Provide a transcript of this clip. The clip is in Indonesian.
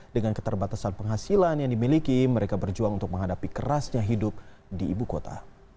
dengan keterbatasan penghasilan yang dimiliki mereka berjuang untuk menghadapi kerasnya hidup di ibu kota